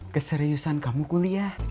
keseriusan kamu kuliah